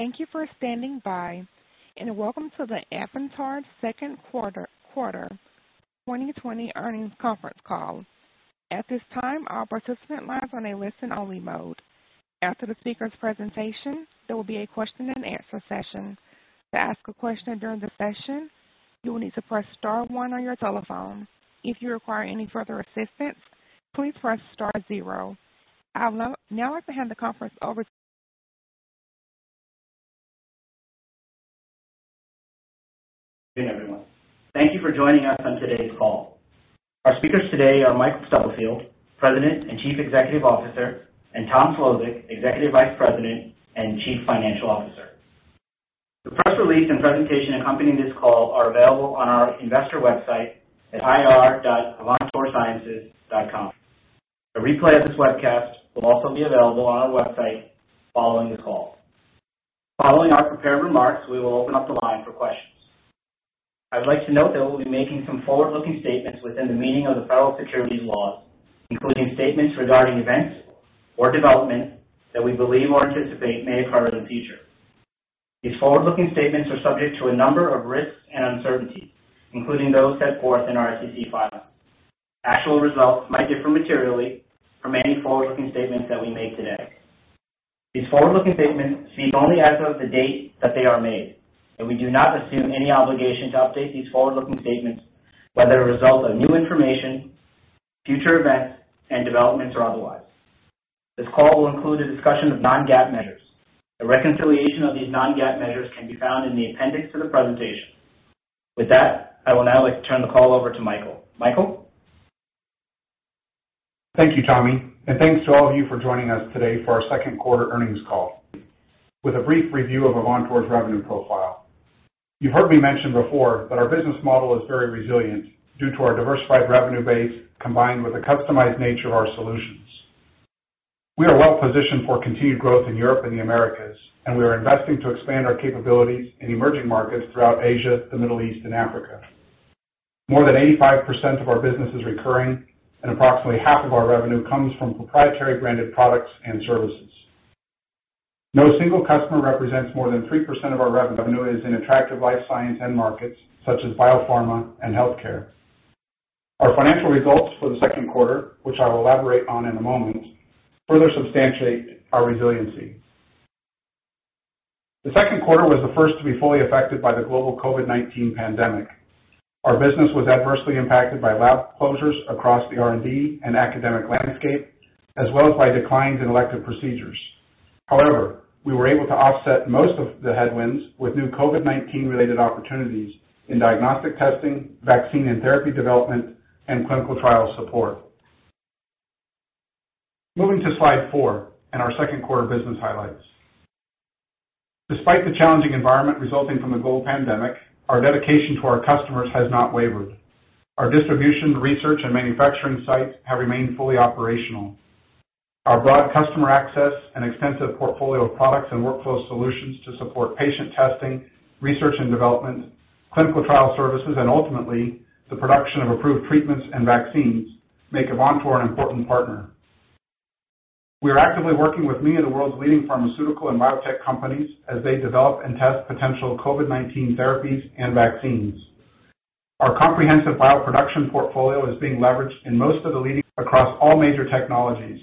Thank you for standing by and welcome to the Avantor second quarter 2020 earnings conference call. At this time, all participants lines are on a listen-only mode. After the speakers' presentation, there will be a question-and-answer session. To ask a question during the session, you will need to press star one on your telephone. If you require any further assistance, please press star zero. I would now like to hand the conference over to- Good day, everyone. Thank you for joining us on today's call. Our speakers today are Mike Stubblefield, President and Chief Executive Officer, and Tom Szlosek, Executive Vice President and Chief Financial Officer. The press release and presentation accompanying this call are available on our investor website at ir.avantorsciences.com. A replay of this webcast will also be available on our website following the call. Following our prepared remarks, we will open up the line for questions. I would like to note that we'll be making some forward-looking statements within the meaning of the federal securities laws, including statements regarding events or development that we believe or anticipate may occur in the future. These forward-looking statements are subject to a number of risks and uncertainties, including those set forth in our SEC filing. Actual results might differ materially from any forward-looking statements that we make today. These forward-looking statements speak only as of the date that they are made, and we do not assume any obligation to update these forward-looking statements, whether a result of new information, future events, and developments or otherwise. This call will include a discussion of non-GAAP measures. A reconciliation of these non-GAAP measures can be found in the appendix to the presentation. With that, I will now like to turn the call over to Michael. Michael? Thank you, Tommy, and thanks to all of you for joining us today for our second quarter earnings call. With a brief review of Avantor's revenue profile. You've heard me mention before that our business model is very resilient due to our diversified revenue base, combined with the customized nature of our solutions. We are well-positioned for continued growth in Europe and the Americas, and we are investing to expand our capabilities in emerging markets throughout Asia, the Middle East, and Africa. More than 85% of our business is recurring, and approximately half of our revenue comes from proprietary branded products and services. No single customer represents more than 3% of our revenue is in attractive life science end markets, such as biopharma and healthcare. Our financial results for the second quarter, which I will elaborate on in a moment, further substantiate our resiliency. The second quarter was the first to be fully affected by the global COVID-19 pandemic. Our business was adversely impacted by lab closures across the R&D and academic landscape, as well as by declines in elective procedures. However, we were able to offset most of the headwinds with new COVID-19 related opportunities in diagnostic testing, vaccine and therapy development, and clinical trial support. Moving to slide four and our second quarter business highlights. Despite the challenging environment resulting from the global pandemic, our dedication to our customers has not wavered. Our distribution, research, and manufacturing sites have remained fully operational. Our broad customer access and extensive portfolio of products and workflow solutions to support patient testing, research and development, clinical trial services, and ultimately, the production of approved treatments and vaccines, make Avantor an important partner. We are actively working with many of the world's leading pharmaceutical and biotech companies as they develop and test potential COVID-19 therapies and vaccines. Our comprehensive bioproduction portfolio is being leveraged in most of the leading across all major technologies,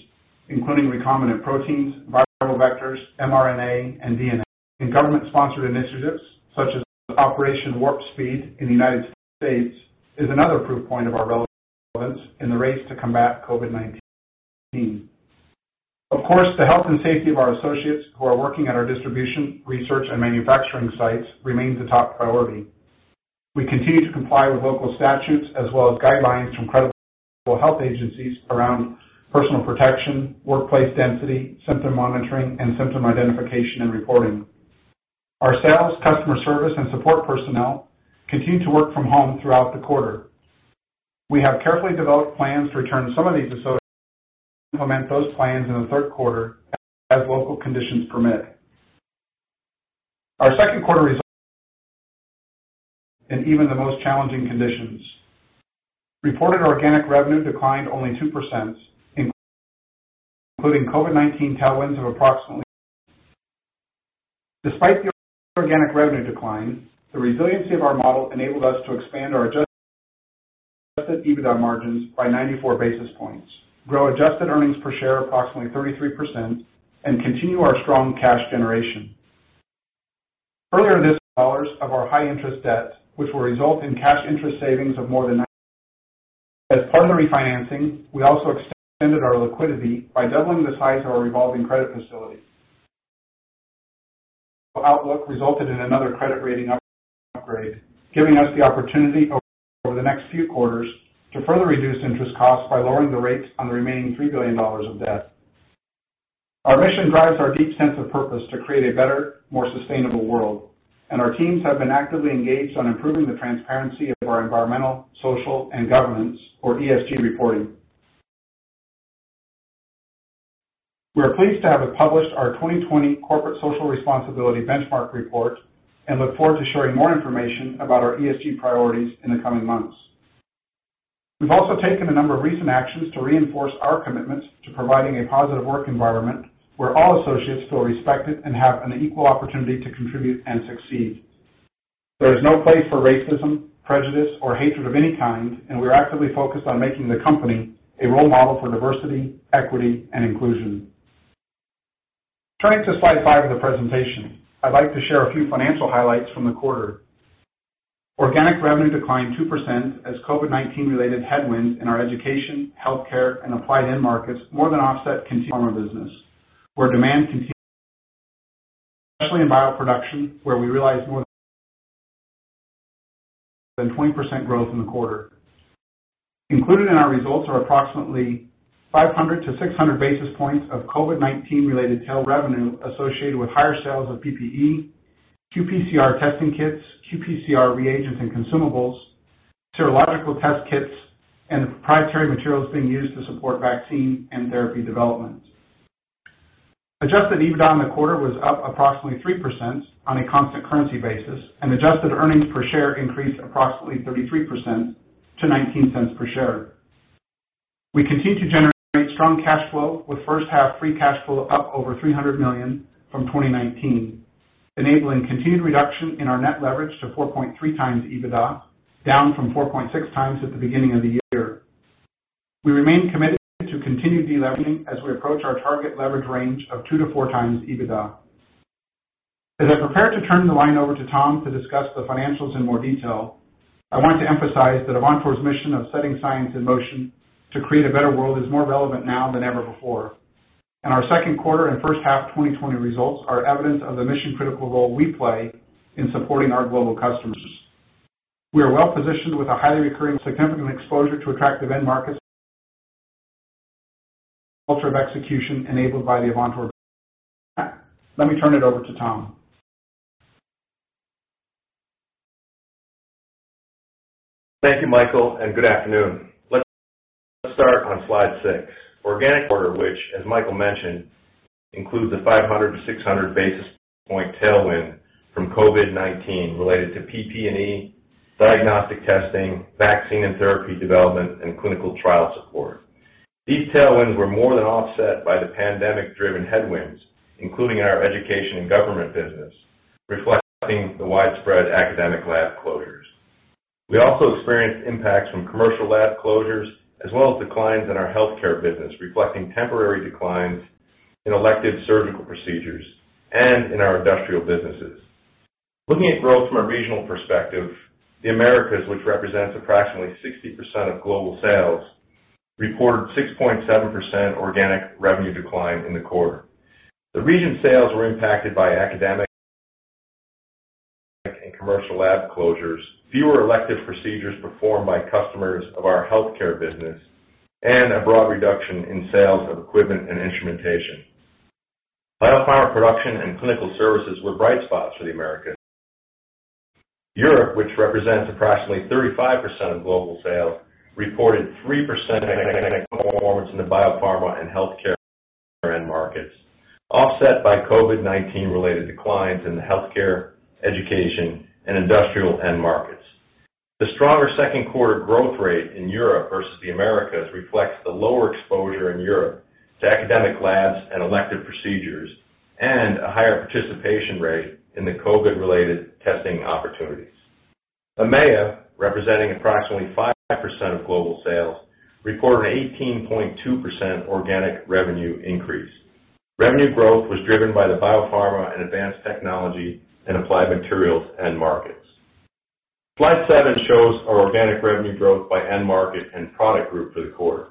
including recombinant proteins, viral vectors, mRNA, and DNA. In government-sponsored initiatives, such as Operation Warp Speed in the U.S., is another proof point of our relevance in the race to combat COVID-19. Of course, the health and safety of our associates who are working at our distribution, research, and manufacturing sites remains a top priority. We continue to comply with local statutes as well as guidelines from credible health agencies around personal protection, workplace density, symptom monitoring, and symptom identification and reporting. Our sales, customer service, and support personnel continued to work from home throughout the quarter. We have carefully developed plans to return some of these associates and implement those plans in the third quarter as local conditions permit. Our second quarter results in even the most challenging conditions. Reported organic revenue declined only 2%, including COVID-19 tailwinds of approximately. Despite the organic revenue decline, the resiliency of our model enabled us to expand our adjusted EBITDA margins by 94 basis points, grow adjusted earnings per share approximately 33%, and continue our strong cash generation. Earlier this dollars of our high interest debt, which will result in cash interest savings of more than. As part of the refinancing, we also extended our liquidity by doubling the size of our revolving credit facility. outlook resulted in another credit rating upgrade, giving us the opportunity over the next few quarters to further reduce interest costs by lowering the rates on the remaining $3 billion of debt. Our mission drives our deep sense of purpose to create a better, more sustainable world, and our teams have been actively engaged on improving the transparency of our environmental, social, and governance, or ESG, reporting. We are pleased to have published our 2020 Corporate Social Responsibility Benchmark Report and look forward to sharing more information about our ESG priorities in the coming months. We've also taken a number of recent actions to reinforce our commitment to providing a positive work environment where all associates feel respected and have an equal opportunity to contribute and succeed. There is no place for racism, prejudice, or hatred of any kind, and we're actively focused on making the company a role model for diversity, equity, and inclusion. Turning to slide five of the presentation, I'd like to share a few financial highlights from the quarter. Organic revenue declined 2% as COVID-19 related headwinds in our education, healthcare, and applied end markets more than offset continued business where demand continued, especially in bioproduction where we realized more than 20% growth in the quarter. Included in our results are approximately 500-600 basis points of COVID-19 related tail revenue associated with higher sales of PPE, qPCR testing kits, qPCR reagents and consumables, serological test kits, and the proprietary materials being used to support vaccine and therapy development. Adjusted EBITDA in the quarter was up approximately 3% on a constant currency basis, and adjusted earnings per share increased approximately 33% to $0.19 per share. We continue to generate strong cash flow with first half free cash flow up over $300 million from 2019, enabling continued reduction in our net leverage to 4.3 times EBITDA, down from 4.6 times at the beginning of the year. We remain committed to continued delevering as we approach our target leverage range of two to four times EBITDA. As I prepare to turn the line over to Tom to discuss the financials in more detail, I want to emphasize that Avantor's mission of setting science in motion to create a better world is more relevant now than ever before. Our second quarter and first half 2020 results are evidence of the mission-critical role we play in supporting our global customers. We are well-positioned with a highly recurring, significant exposure to attractive end markets, culture of execution enabled by the Avantor Business System. Let me turn it over to Tom. Thank you, Michael, and good afternoon. Let's start on slide six. Organic quarter, which as Michael mentioned, includes a 500 to 600 basis point tailwind from COVID-19 related to PPE, diagnostic testing, vaccine and therapy development, and clinical trial support. These tailwinds were more than offset by the pandemic-driven headwinds, including our education and government business, reflecting the widespread academic lab closures. We also experienced impacts from commercial lab closures as well as declines in our healthcare business, reflecting temporary declines in elective surgical procedures and in our industrial businesses. Looking at growth from a regional perspective, the Americas, which represents approximately 60% of global sales, reported 6.7% organic revenue decline in the quarter. The region sales were impacted by academic and commercial lab closures, fewer elective procedures performed by customers of our healthcare business, and a broad reduction in sales of equipment and instrumentation. Biopharma production and clinical services were bright spots for the Americas. Europe, which represents approximately 35% of global sales, reported 3% performance in the biopharma and healthcare end markets, offset by COVID-19 related declines in the healthcare, education, and industrial end markets. The stronger second quarter growth rate in Europe versus the Americas reflects the lower exposure in Europe to academic labs and elective procedures, and a higher participation rate in the COVID-related testing opportunities. AMEA, representing approximately 5% of global sales, reported an 18.2% organic revenue increase. Revenue growth was driven by the biopharma and advanced technology and applied materials end markets. Slide seven shows our organic revenue growth by end market and product group for the quarter.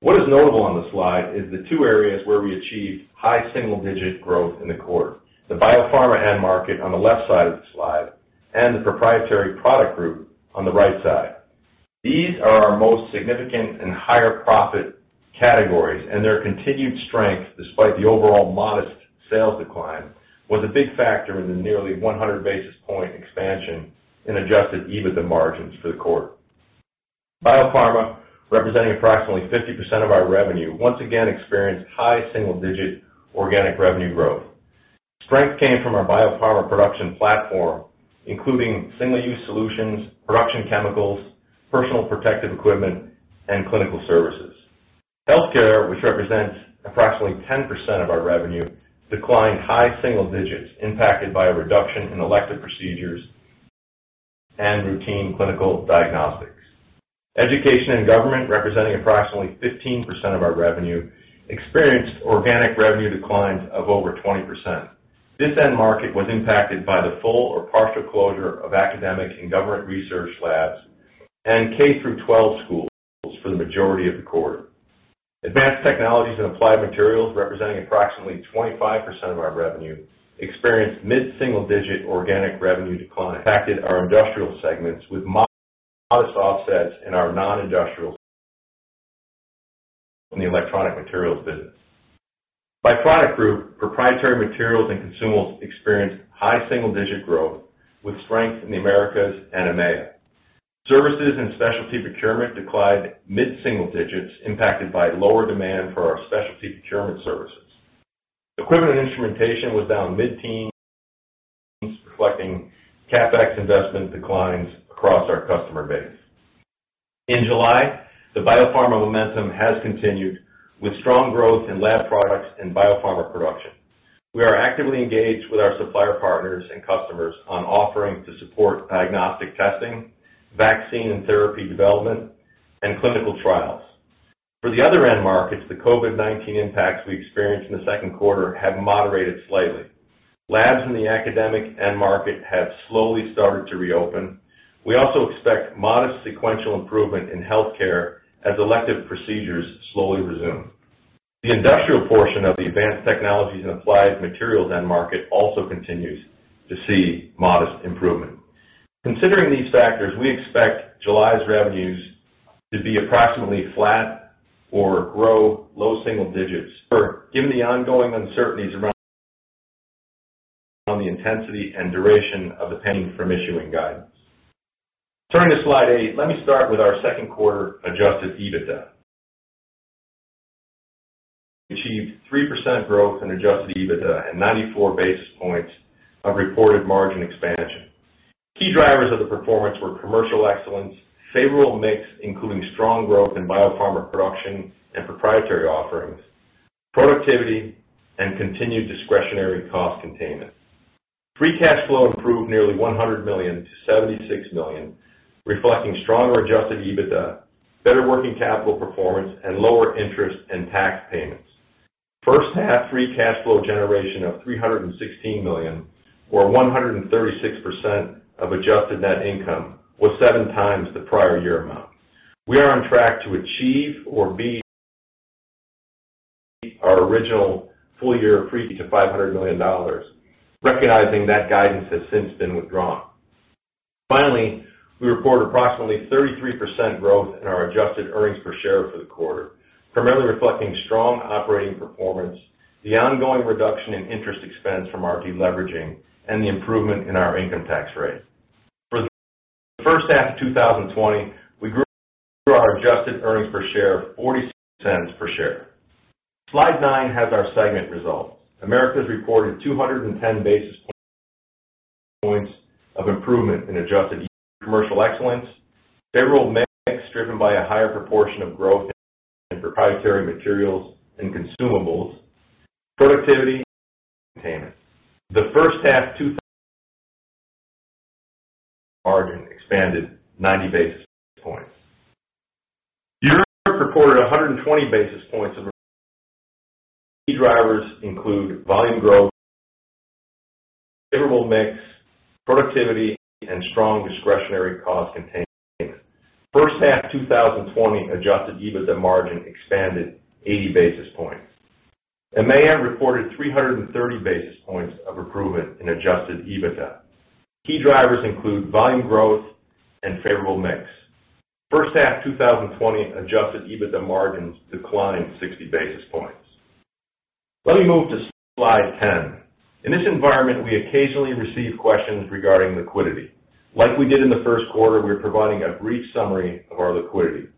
What is notable on the slide is the two areas where we achieved high single-digit growth in the quarter, the biopharma end market on the left side of the slide and the proprietary product group on the right side. These are our most significant and higher profit categories, and their continued strength, despite the overall modest sales decline, was a big factor in the nearly 100 basis point expansion in adjusted EBITDA margins for the quarter. Biopharma, representing approximately 50% of our revenue, once again experienced high single-digit organic revenue growth. Strength came from our biopharma production platform, including single-use solutions, production chemicals, personal protective equipment, and clinical services. Healthcare, which represents approximately 10% of our revenue, declined high single digits, impacted by a reduction in elective procedures and routine clinical diagnostics. Education and government, representing approximately 15% of our revenue, experienced organic revenue declines of over 20%. This end market was impacted by the full or partial closure of academic and government research labs and K-12 schools for the majority of the quarter. Advanced technologies and applied materials, representing approximately 25% of our revenue, experienced mid-single-digit organic revenue decline, impacted our industrial segments with modest offsets in our non-industrial and the electronic materials business. By product group, proprietary materials and consumables experienced high single-digit growth with strength in the Americas and AMEA. Services and specialty procurement declined mid-single digits, impacted by lower demand for our specialty procurement services. Equipment and instrumentation was down mid-teens, reflecting CapEx investment declines across our customer base. In July, the biopharma momentum has continued with strong growth in lab products and biopharma production. We are actively engaged with our supplier partners and customers on offerings to support diagnostic testing, vaccine and therapy development, and clinical trials. For the other end markets, the COVID-19 impacts we experienced in the second quarter have moderated slightly. Labs in the academic end market have slowly started to reopen. We also expect modest sequential improvement in healthcare as elective procedures slowly resume. The industrial portion of the advanced technologies and applied materials end market also continues to see modest improvement. Considering these factors, we expect July's revenues to be approximately flat or grow low single digits. Turning to slide eight, let me start with our second quarter adjusted EBITDA. We achieved 3% growth in adjusted EBITDA and 94 basis points of reported margin expansion. Key drivers of the performance were commercial excellence, favorable mix, including strong growth in biopharma production and proprietary offerings, productivity, and continued discretionary cost containment. Free cash flow improved nearly $100 million to $76 million, reflecting stronger adjusted EBITDA, better working capital performance, and lower interest and tax payments. First half free cash flow generation of $316 million, or 136% of adjusted net income, was seven times the prior year amount. We are on track to achieve or beat our original full-year free to $500 million, recognizing that guidance has since been withdrawn. Finally, we report approximately 33% growth in our adjusted earnings per share for the quarter, primarily reflecting strong operating performance, the ongoing reduction in interest expense from our de-leveraging, and the improvement in our income tax rate. For the first half of 2020, we grew our adjusted earnings per share $0.46 per share. Slide nine has our segment results. Americas reported 210 basis points of improvement in adjusted commercial excellence, favorable mix driven by a higher proportion of growth in proprietary materials and consumables, productivity, and containment. The first half 2020 margin expanded 90 basis points. Europe reported 120 basis points of. Key drivers include volume growth, favorable mix, productivity, and strong discretionary cost containment. First half 2020 adjusted EBITDA margin expanded 80 basis points. AMEA reported 330 basis points of improvement in adjusted EBITDA. Key drivers include volume growth and favorable mix. First half 2020 adjusted EBITDA margins declined 60 basis points. Let me move to slide ten. In this environment, we occasionally receive questions regarding liquidity. Like we did in the first quarter, we are providing a brief summary of our liquidity.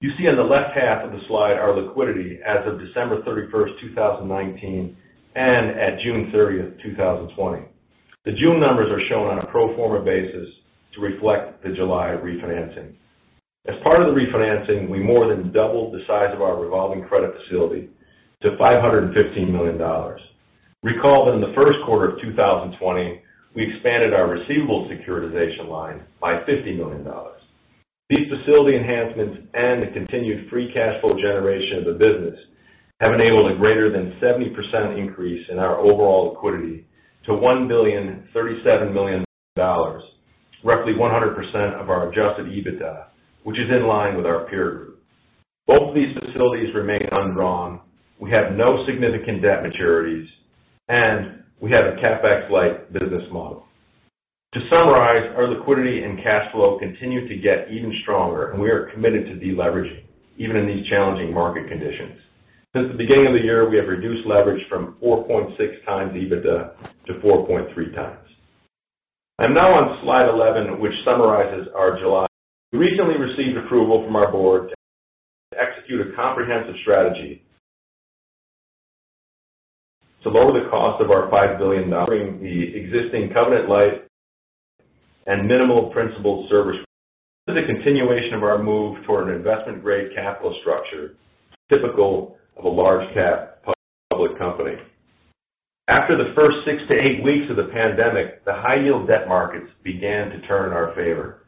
You see on the left half of the slide our liquidity as of December 31st, 2019, and at June 30th, 2020. The June numbers are shown on a pro forma basis to reflect the July refinancing. As part of the refinancing, we more than doubled the size of our revolving credit facility to $515 million. Recall that in the first quarter of 2020, we expanded our receivable securitization line by $50 million. These facility enhancements and the continued free cash flow generation of the business have enabled a greater than 70% increase in our overall liquidity to $1.037 billion, roughly 100% of our adjusted EBITDA, which is in line with our peer group. Both of these facilities remain undrawn. We have no significant debt maturities, and we have a CapEx-light business model. To summarize, our liquidity and cash flow continue to get even stronger, and we are committed to deleveraging, even in these challenging market conditions. Since the beginning of the year, we have reduced leverage from 4.6 times EBITDA to 4.3 times. I'm now on slide 11, which summarizes our July. We recently received approval from our board to execute a comprehensive strategy to lower the cost of our $5 billion offering the existing covenant-lite and minimal principal service. This is a continuation of our move toward an investment-grade capital structure typical of a large-cap public company. After the first six to eight weeks of the pandemic, the high yield debt markets began to turn in our favor.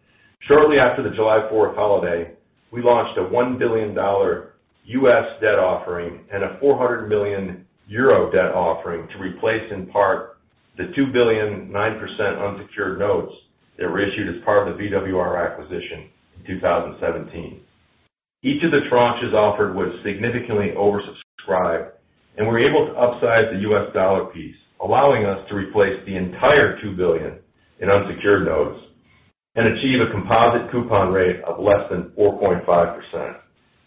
Shortly after the July Fourth holiday, we launched a $1 billion U.S. debt offering and a 400 million euro debt offering to replace in part the $2 billion 9% unsecured notes that were issued as part of the VWR acquisition in 2017. Each of the tranches offered was significantly oversubscribed, and we were able to upsize the U.S. dollar piece, allowing us to replace the entire $2 billion in unsecured notes and achieve a composite coupon rate of less than 4.5%.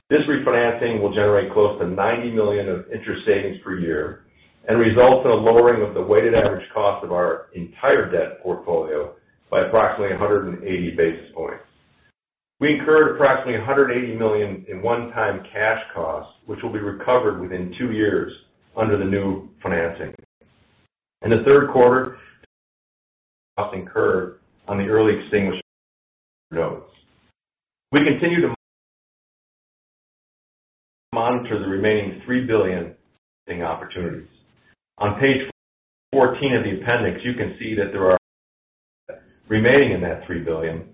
This refinancing will generate close to $90 million of interest savings per year and results in a lowering of the weighted average cost of our entire debt portfolio by approximately 180 basis points. We incurred approximately $180 million in one-time cash costs, which will be recovered within two years under the new financing. In the third quarter, incurred on the early extinguishment. We continue to monitor the remaining $3 billion opportunities. On page 14 of the appendix, you can see that there are remaining in that $3 billion,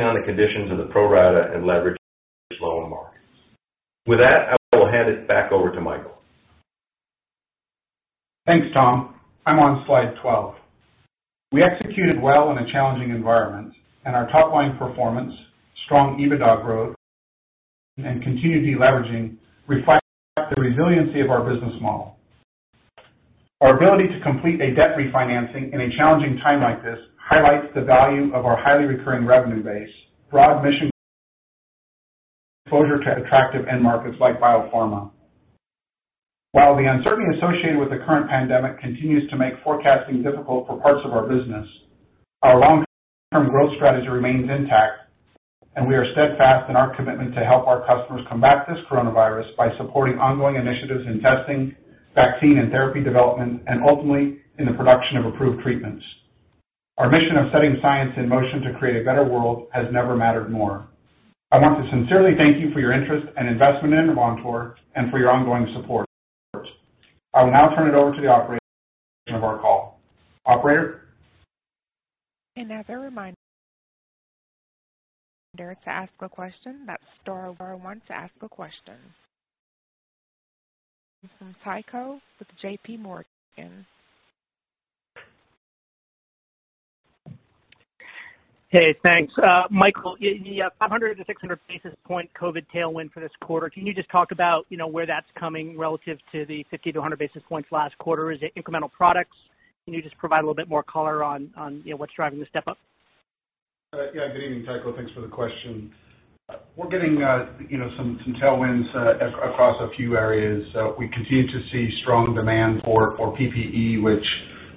on the conditions of the pro rata and leveraged loan markets. With that, I will hand it back over to Michael. Thanks, Tom. I'm on slide 12. We executed well in a challenging environment, and our top-line performance, strong EBITDA growth, and continued de-leveraging reflect the resiliency of our business model. Our ability to complete a debt refinancing in a challenging time like this highlights the value of our highly recurring revenue base, broad mission exposure to attractive end markets like biopharma. While the uncertainty associated with the current pandemic continues to make forecasting difficult for parts of our business, our long-term growth strategy remains intact, and we are steadfast in our commitment to help our customers combat this coronavirus by supporting ongoing initiatives in testing, vaccine and therapy development, and ultimately in the production of approved treatments. Our mission of setting science in motion to create a better world has never mattered more. I want to sincerely thank you for your interest and investment in Avantor and for your ongoing support. I will now turn it over to the operator for the duration of our call. Operator? As a reminder, to ask a question, that's star one to ask a question. From Tycho with JPMorgan. Hey, thanks. Michael, you have 500 basis point-600 basis point COVID tailwind for this quarter. Can you just talk about where that's coming relative to the 50 basis points-100 basis points last quarter? Is it incremental products? Can you just provide a little bit more color on, what's driving the step up? Yeah. Good evening, Tycho. Thanks for the question. We're getting some tailwinds across a few areas. We continue to see strong demand for PPE, which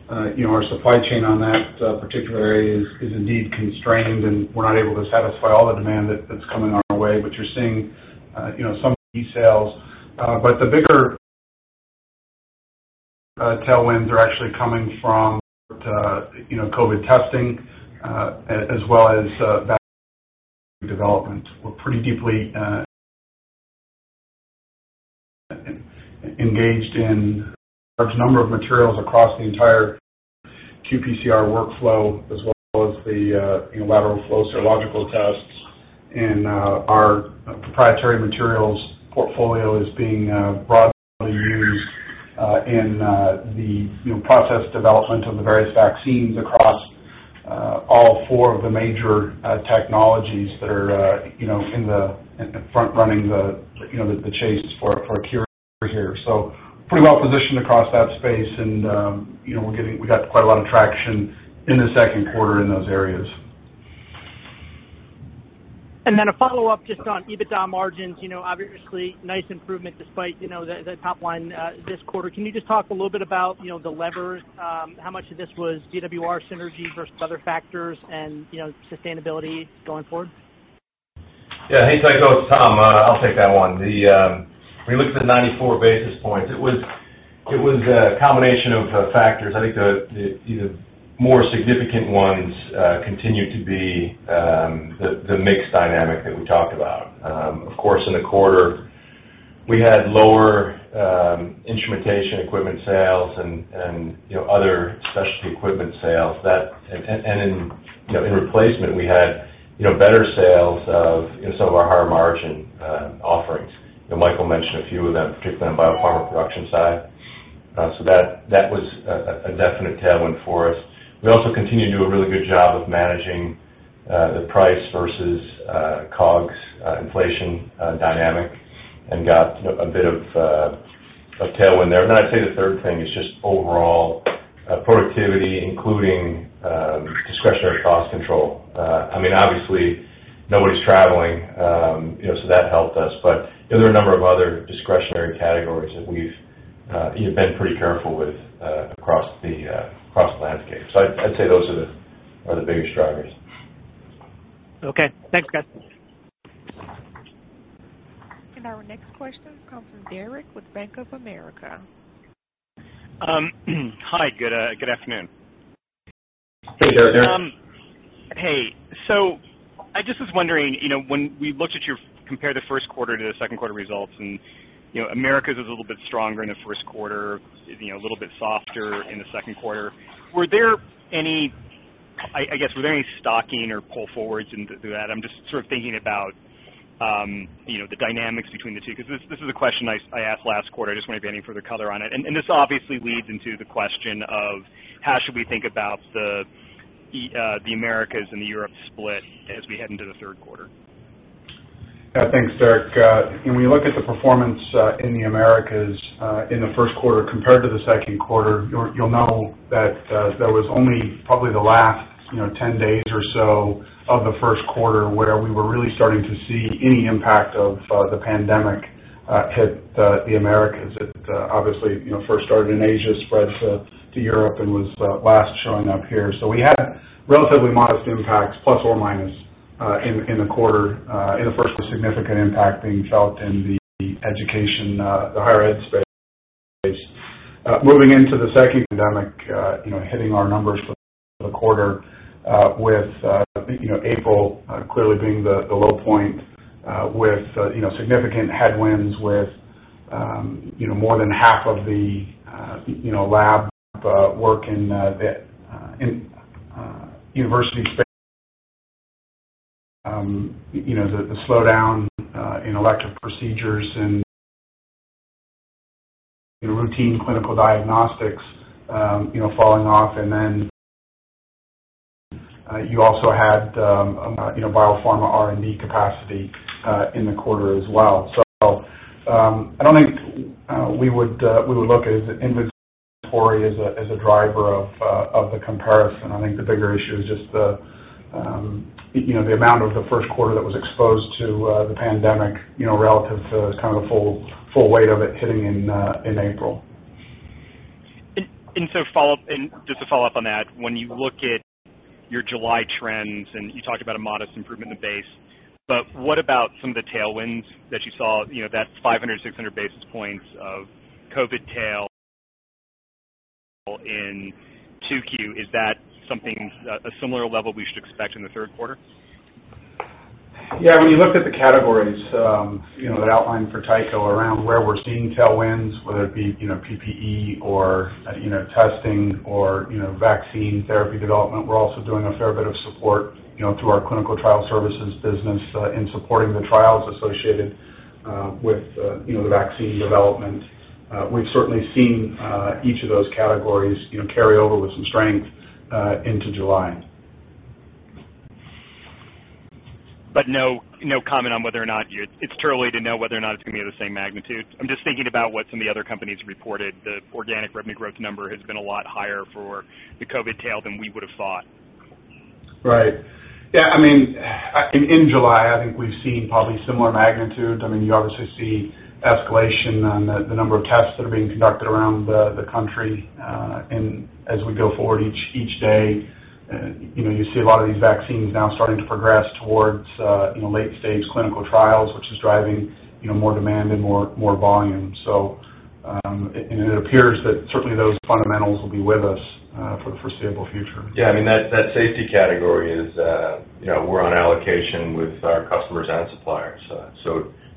our supply chain on that particular area is indeed constrained, and we're not able to satisfy all the demand that's coming our way. You're seeing some of the sales. The bigger tailwinds are actually coming from COVID testing, as well as vaccine development. We're pretty deeply engaged in large number of materials across the entire qPCR workflow as well as the lateral flow serological tests. Our proprietary materials portfolio is being broadly used in the process development of the various vaccines across all four of the major technologies that are front running the chase for a cure here. Pretty well positioned across that space, and we got quite a lot of traction in the second quarter in those areas. A follow-up just on EBITDA margins. Obviously, nice improvement despite the top line this quarter. Can you just talk a little bit about the levers, how much of this was VWR synergy versus other factors and sustainability going forward? Yeah. Hey, Tycho, it's Tom. I'll take that one. When you look at the 94 basis points, it was a combination of factors. I think the more significant ones continue to be the mix dynamic that we talked about. Of course, in the quarter, we had lower instrumentation equipment sales and other specialty equipment sales. In replacement, we had better sales of some of our higher margin offerings. Michael mentioned a few of them, particularly on the biopharma production side. That was a definite tailwind for us. We also continue to do a really good job of managing the price versus COGS inflation dynamic and got a bit of a tailwind there. I'd say the third thing is just overall productivity, including discretionary cost control. Obviously, nobody's traveling, that helped us. There are a number of other discretionary categories that we've been pretty careful with across the landscape. I'd say those are the bigger drivers. Okay. Thanks, guys. Our next question comes from Derik with Bank of America. Hi. Good afternoon. Hey, Derik. Hey. I just was wondering, when we looked at your, compare the first quarter to the second quarter results, and Americas is a little bit stronger in the first quarter, a little bit softer in the second quarter. Were there any, I guess, were there any stocking or pull forwards into that? I'm just sort of thinking about the dynamics between the two, because this is a question I asked last quarter. I just wonder if you have any further color on it. This obviously leads into the question of how should we think about the Americas and the Europe split as we head into the third quarter? Yeah. Thanks, Derik. When we look at the performance in the Americas in the first quarter compared to the second quarter, you'll know that there was only probably the last 10 days or so of the first quarter where we were really starting to see any impact of the pandemic hit the Americas. It obviously first started in Asia, spread to Europe, and was last showing up here. We had relatively modest impacts, plus or minus, in the quarter, and the first significant impact being felt in the education, the higher ed space. Moving into the second quarter, the pandemic hitting our numbers for the quarter with April clearly being the low point with significant headwinds with more than half of the lab work in the university space. The slowdown in elective procedures and routine clinical diagnostics falling off, and then you also had biopharma R&D capacity in the quarter as well. I don't think we would look at inventory as a driver of the comparison. I think the bigger issue is just the amount of the first quarter that was exposed to the pandemic, relative to kind of the full weight of it hitting in April. Just to follow up on that, when you look at your July trends, and you talked about a modest improvement in the base, but what about some of the tailwinds that you saw, that 500, 600 basis points of COVID tail in 2Q? Is that a similar level we should expect in the third quarter? Yeah. When you look at the categories that outline for Tycho around where we're seeing tailwinds, whether it be PPE or testing or vaccine therapy development, we're also doing a fair bit of support through our clinical trial services business in supporting the trials associated with the vaccine development. We've certainly seen each of those categories carry over with some strength into July. No comment on whether or not it's too early to know whether or not it's going to be of the same magnitude. I'm just thinking about what some of the other companies reported. The organic revenue growth number has been a lot higher for the COVID tail than we would've thought. Right. Yeah, in July, I think we've seen probably similar magnitude. You obviously see escalation on the number of tests that are being conducted around the country. As we go forward, each day, you see a lot of these vaccines now starting to progress towards late-stage clinical trials, which is driving more demand and more volume. It appears that certainly those fundamentals will be with us for the foreseeable future. Yeah, that safety category, we're on allocation with our customers and suppliers.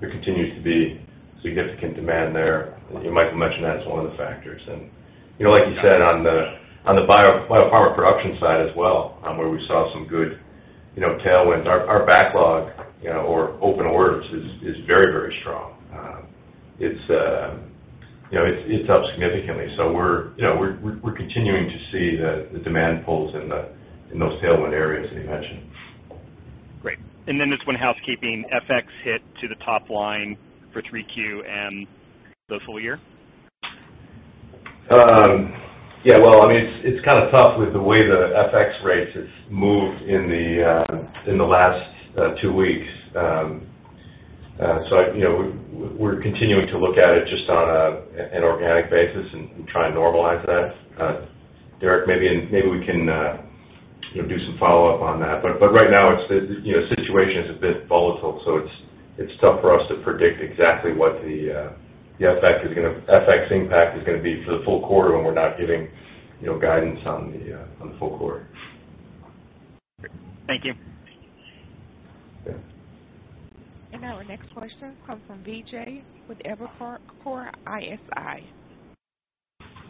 There continues to be significant demand there. Michael mentioned that as one of the factors. Like you said, on the biopharma production side as well, where we saw some good tailwinds. Our backlog or open orders is very strong. It's up significantly. We're continuing to see the demand pulls in those tailwind areas that he mentioned. Great. Just one housekeeping, FX hit to the top line for 3Q and the full year? Yeah. It's kind of tough with the way the FX rates have moved in the last two weeks. We're continuing to look at it just on an organic basis and try and normalize that. Derik, maybe we can do some follow-up on that, but right now the situation is a bit volatile, so it's tough for us to predict exactly what the FX impact is going to be for the full quarter when we're not giving guidance on the full quarter. Thank you. Yeah. Now our next question comes from Vijay with Evercore ISI.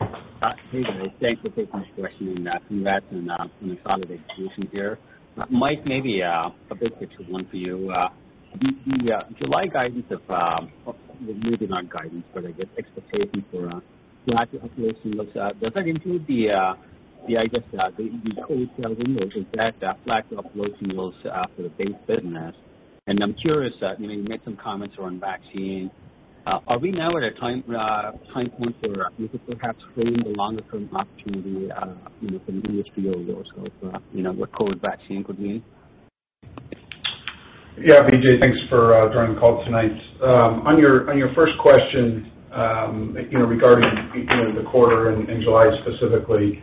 Hey, guys. Thanks for taking this question, and congrats on the solid execution here. Mike, maybe a bit of a two one for you. The July guidance well, maybe not guidance, but I guess expectation for flat to up low single. Does that include the, I guess, the COVID tailwind, or is that flat to up low single was for the base business? I'm curious, you made some comments around vaccine. Are we now at a time point where we could perhaps frame the longer-term opportunity for the industry overall for what COVID vaccine could mean? Yeah, Vijay, thanks for joining the call tonight. Your first question, regarding the quarter in July specifically.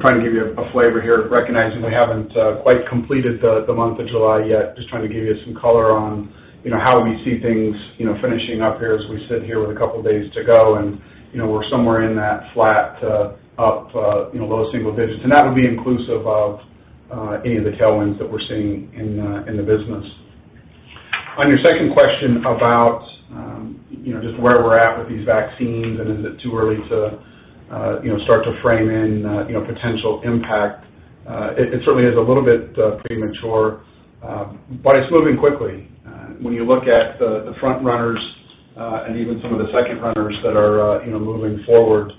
Trying to give you a flavor here, recognizing we haven't quite completed the month of July yet, just trying to give you some color on how we see things finishing up here as we sit here with a couple of days to go, we're somewhere in that flat up low single digits. That would be inclusive of any of the tailwinds that we're seeing in the business. Your second question about just where we're at with these vaccines, is it too early to start to frame in potential impact? It certainly is a little bit premature, it's moving quickly. When you look at the front runners, and even some of the second runners that are moving forward,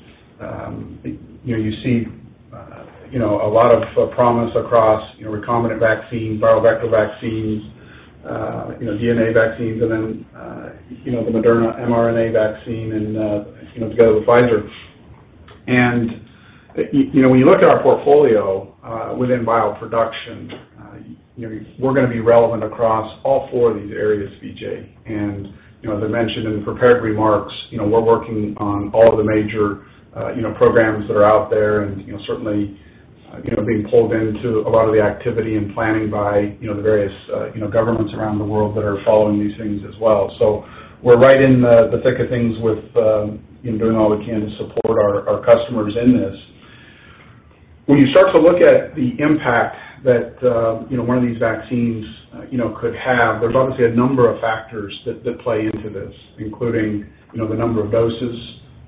you see a lot of promise across recombinant vaccine, viral vector vaccines, DNA vaccines, and then the Moderna mRNA vaccine, together with Pfizer. When you look at our portfolio within bioproduction, we're going to be relevant across all four of these areas, Vijay. As I mentioned in the prepared remarks, we're working on all of the major programs that are out there, and certainly being pulled into a lot of the activity and planning by the various governments around the world that are following these things as well. We're right in the thick of things with doing all we can to support our customers in this. When you start to look at the impact that one of these vaccines could have, there's obviously a number of factors that play into this, including the number of doses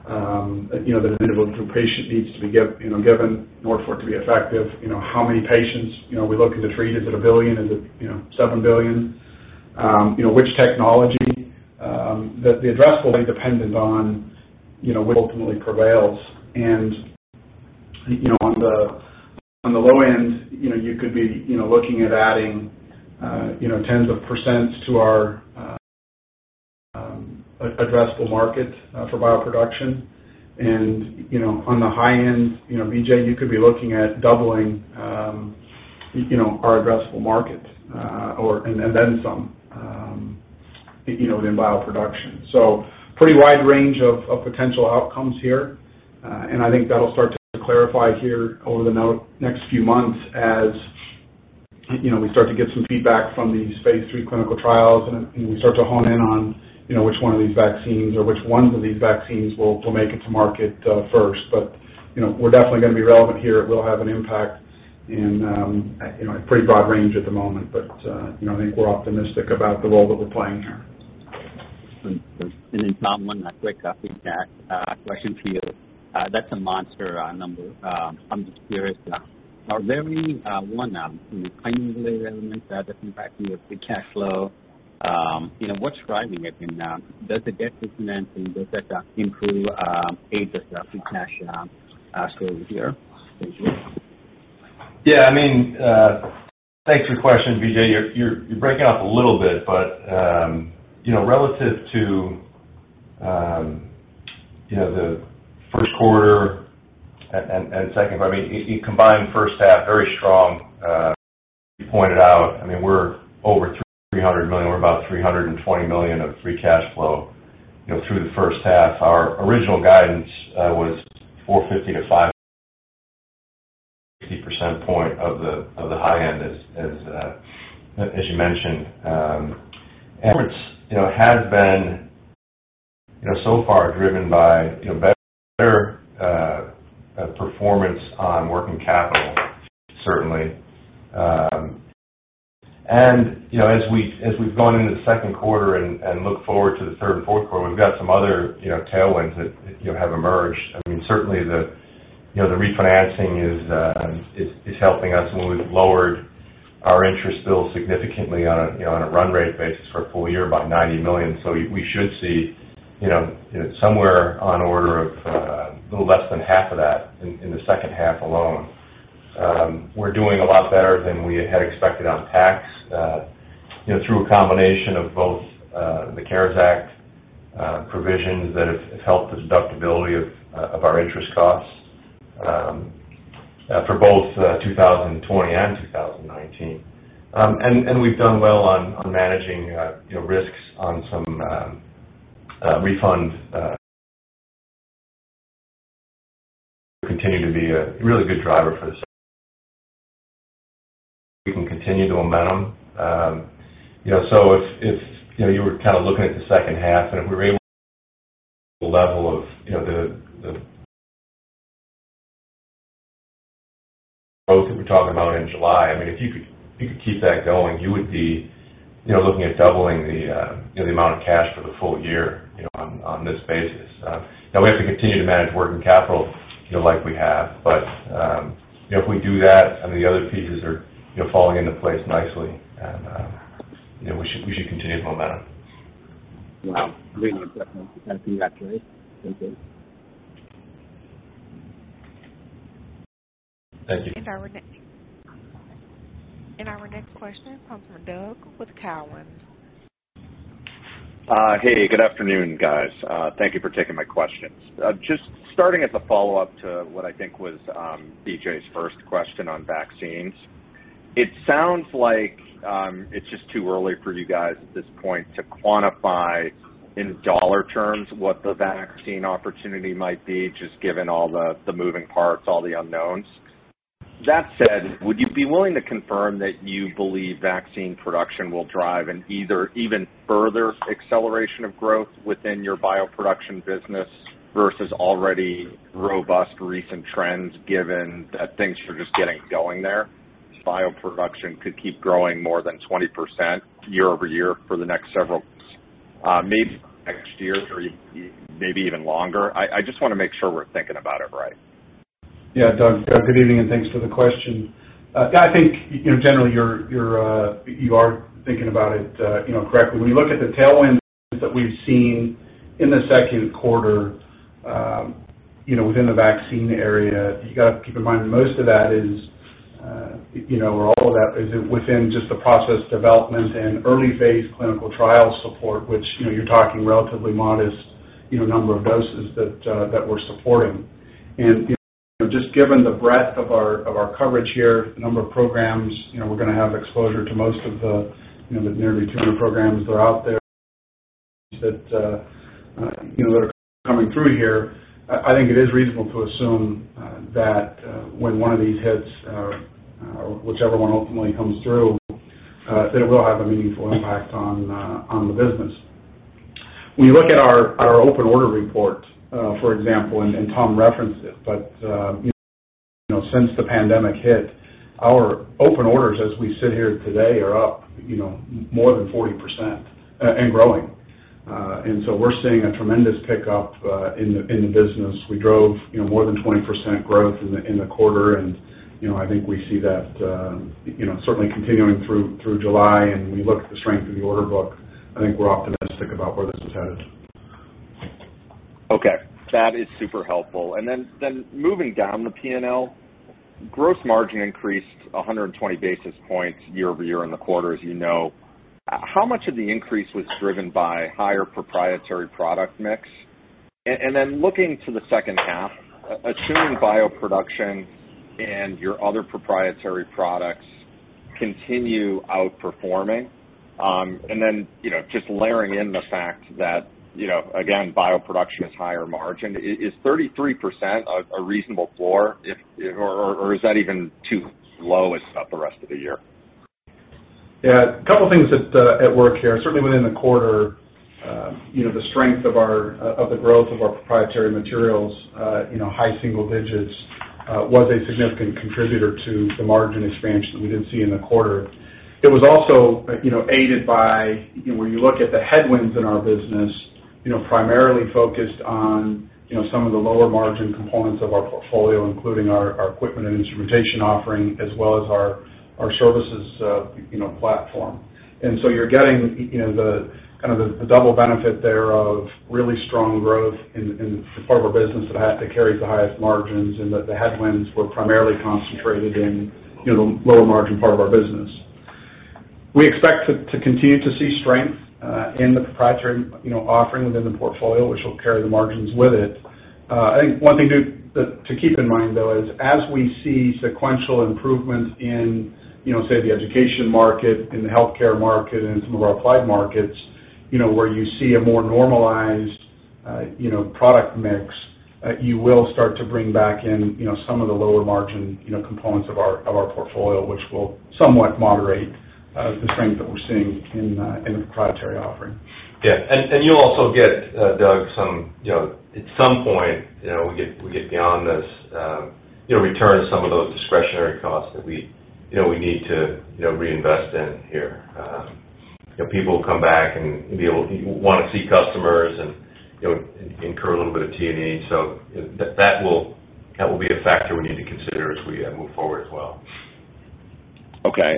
that an individual patient needs to be given in order for it to be effective. How many patients are we looking to treat? Is it a billion? Is it seven billion? Which technology? The addressable will be dependent on what ultimately prevails. On the low end, you could be looking at adding tens of percent to our addressable market for bioproduction. On the high end, Vijay, you could be looking at doubling our addressable market, and then some within bioproduction. Pretty wide range of potential outcomes here. I think that'll start to clarify here over the next few months as we start to get some feedback from these phase III clinical trials and we start to hone in on which one of these vaccines or which ones of these vaccines will make it to market first. We're definitely going to be relevant here. It will have an impact in a pretty broad range at the moment, but I think we're optimistic about the role that we're playing here. Tom, one quick up with that question for you. That's a monster number. I'm just curious, are there any one-time timing related elements that are impacting your free cash flow? What's driving it, and does it get dismissed, and does that improve Avantor's free cash flow over here? Thank you. Yeah. Thanks for your question, Vijay. You're breaking up a little bit, but relative to the first quarter and second quarter, if you combine the first half, very strong. As you pointed out, we're over $300 million. We're about $320 million of free cash flow through the first half. Our original guidance was $450 million-$550 million percent point of the high end as you mentioned. It has been so far driven by better performance on working capital, certainly. As we've gone into the second quarter and look forward to the third and fourth quarter, we've got some other tailwinds that have emerged. Certainly, the refinancing is helping us. We've lowered our interest bill significantly on a run rate basis for a full year, about $90 million. We should see somewhere on order of a little less than half of that in the second half alone. We're doing a lot better than we had expected on tax through a combination of both the CARES Act provisions that have helped the deductibility of our interest costs for both 2020 and 2019. We've done well on managing risks on some refunds continue to be a really good driver for this. We can continue the momentum. If you were looking at the second half and if we were able the level of the both that we're talking about in July. If you could keep that going, you would be looking at doubling the amount of cash for the full year on this basis. Now we have to continue to manage working capital like we have. If we do that, some of the other pieces are falling into place nicely, and we should continue the momentum. Wow, really impressive. Congratulations. Thank you. Thank you. Our next question comes from Doug with Cowen. Hey, good afternoon, guys. Thank you for taking my questions. Just starting as a follow-up to what I think was Vijay's first question on vaccines. It sounds like it is just too early for you guys at this point to quantify in dollar terms what the vaccine opportunity might be, just given all the moving parts, all the unknowns. That said, would you be willing to confirm that you believe vaccine production will drive an either even further acceleration of growth within your bioproduction business versus already robust recent trends, given that things are just getting going there? Bioproduction could keep growing more than 20% year-over-year for the next several, maybe next year or maybe even longer. I just want to make sure we are thinking about it right. Yeah, Doug. Good evening, and thanks for the question. I think generally you are thinking about it correctly. When you look at the tailwinds that we've seen in the second quarter within the vaccine area, you got to keep in mind that all of that is within just the process development and early phase clinical trial support, which you're talking relatively modest number of doses that we're supporting. Just given the breadth of our coverage here, the number of programs, we're going to have exposure to most of the nearly 200 programs that are out there that are coming through here. I think it is reasonable to assume that when one of these hits, whichever one ultimately comes through, that it will have a meaningful impact on the business. We look at our open order report, for example, Tom referenced it. Since the pandemic hit, our open orders as we sit here today are up more than 40% and growing. So we're seeing a tremendous pickup in the business. We drove more than 20% growth in the quarter, and I think we see that certainly continuing through July. When you look at the strength of the order book, I think we're optimistic about where this is headed. Okay. That is super helpful. Moving down the P&L, gross margin increased 120 basis points year-over-year in the quarter, as you know. How much of the increase was driven by higher proprietary product mix? Looking to the second half, assuming bioproduction and your other proprietary products continue outperforming, just layering in the fact that, again, bioproduction is higher margin, is 33% a reasonable floor or is that even too low a stop the rest of the year? Yeah. A couple of things at work here. Certainly within the quarter, the strength of the growth of our proprietary materials, high single digits, was a significant contributor to the margin expansion that we did see in the quarter. It was also aided by when you look at the headwinds in our business, primarily focused on some of the lower margin components of our portfolio, including our equipment and instrumentation offering as well as our services platform. You're getting the double benefit there of really strong growth in the part of our business that carries the highest margins and that the headwinds were primarily concentrated in the lower margin part of our business. We expect to continue to see strength in the proprietary offering within the portfolio, which will carry the margins with it. I think one thing to keep in mind, though, is as we see sequential improvements in, say, the education market and the healthcare market and some of our applied markets, where you see a more normalized product mix, you will start to bring back in some of the lower margin components of our portfolio, which will somewhat moderate the strength that we're seeing in the proprietary offering. Yeah. You'll also get, Doug, at some point, we get beyond this return of some of those discretionary costs that we need to reinvest in here. People will come back and want to see customers and incur a little bit of T&E. That will be a factor we need to consider as we move forward as well. Okay.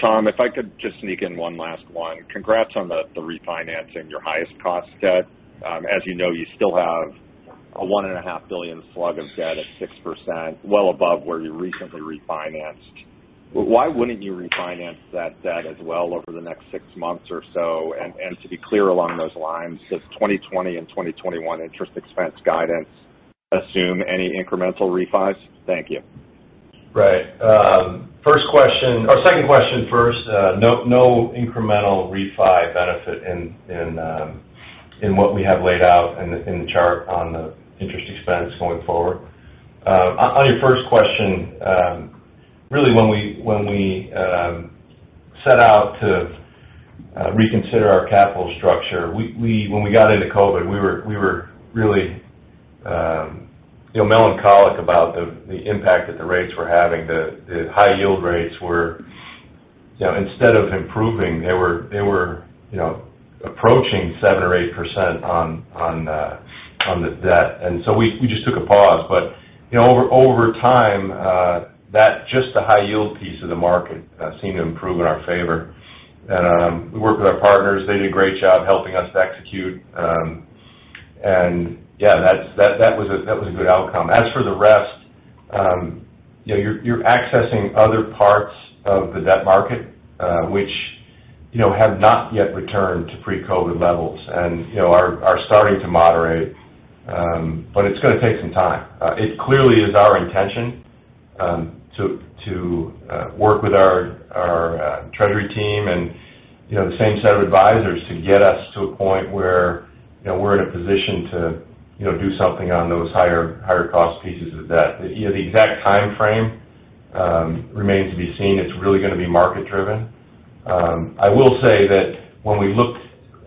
Tom, if I could just sneak in one last one. Congrats on the refinancing your highest cost debt. As you know, you still have a $1.5 billion slug of debt at 6%, well above where you recently refinanced. Why wouldn't you refinance that debt as well over the next six months or so? To be clear along those lines, does 2020 and 2021 interest expense guidance assume any incremental refis? Thank you. Right. Second question first. No incremental refi benefit in what we have laid out in the chart on the interest expense going forward. On your first question, really when we set out to reconsider our capital structure, when we got into COVID, we were really melancholic about the impact that the rates were having. The high yield rates were, instead of improving, they were approaching 7% or 8% on the debt. We just took a pause. Over time, just the high yield piece of the market seemed to improve in our favor. We worked with our partners. They did a great job helping us execute. Yeah, that was a good outcome. As for the rest, you're accessing other parts of the debt market, which have not yet returned to pre-COVID levels and are starting to moderate, but it's going to take some time. It clearly is our intention to work with our treasury team and the same set of advisors to get us to a point where we're in a position to do something on those higher cost pieces of debt. The exact timeframe remains to be seen. It's really going to be market driven. I will say that when we looked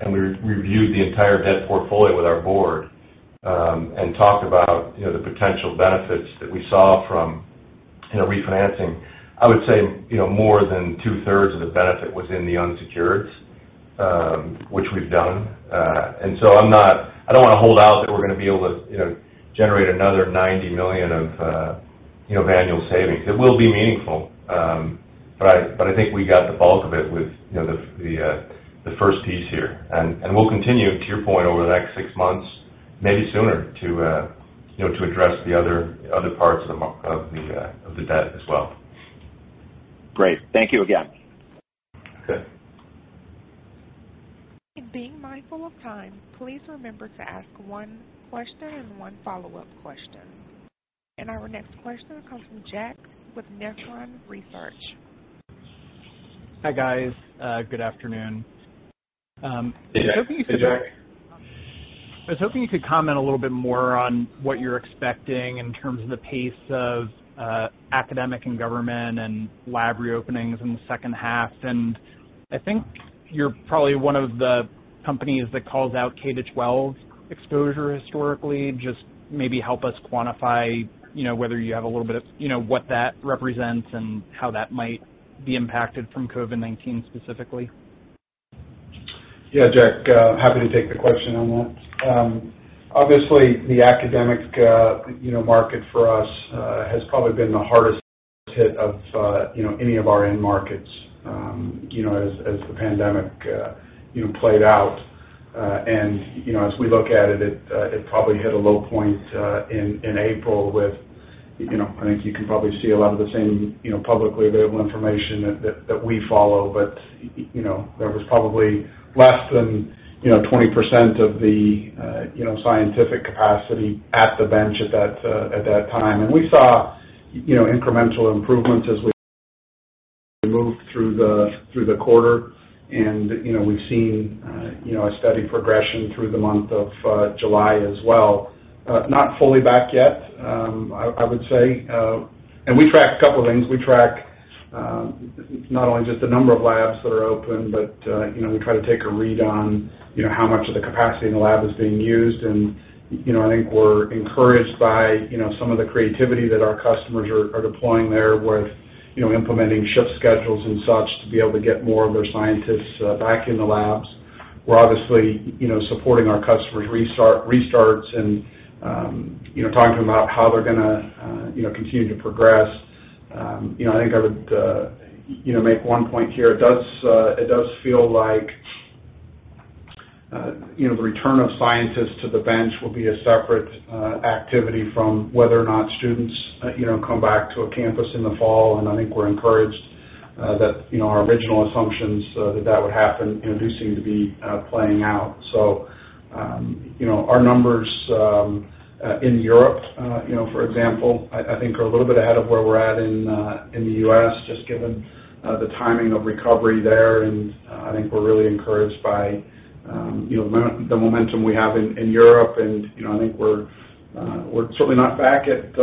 and we reviewed the entire debt portfolio with our board and talked about the potential benefits that we saw from refinancing, I would say more than two-thirds of the benefit was in the unsecureds, which we've done. I don't want to hold out that we're going to be able to generate another $90 million of annual savings. It will be meaningful, but I think we got the bulk of it with the first piece here. We'll continue, to your point, over the next six months, maybe sooner to address the other parts of the debt as well. Great. Thank you again. Okay. Being mindful of time, please remember to ask one question and one follow-up question. Our next question comes from Jack with Nephron Research. Hi, guys. Good afternoon. Hey, Jack. Hey, Jack. I was hoping you could comment a little bit more on what you're expecting in terms of the pace of academic and government and lab reopenings in the second half. I think you're probably one of the companies that calls out K-12 exposure historically. Just maybe help us quantify what that represents and how that might be impacted from COVID-19 specifically. Yeah, Jack, happy to take the question on that. Obviously, the academic market for us has probably been the hardest hit of any of our end markets as the pandemic played out. As we look at it probably hit a low point in April with, I think you can probably see a lot of the same publicly available information that we follow. There was probably less than 20% of the scientific capacity at the bench at that time. We saw incremental improvements as we moved through the quarter. We've seen a steady progression through the month of July as well. Not fully back yet, I would say. We track a couple of things. We track not only just the number of labs that are open, but we try to take a read on how much of the capacity in the lab is being used. I think we're encouraged by some of the creativity that our customers are deploying there with implementing shift schedules and such to be able to get more of their scientists back in the labs. We're obviously supporting our customers' restarts and talking about how they're going to continue to progress. I think I would make one point here. It does feel like the return of scientists to the bench will be a separate activity from whether or not students come back to a campus in the fall, and I think we're encouraged that our original assumptions that that would happen do seem to be playing out. Our numbers in Europe, for example, I think are a little bit ahead of where we're at in the U.S., just given the timing of recovery there, and I think we're really encouraged by the momentum we have in Europe. I think we're certainly not back at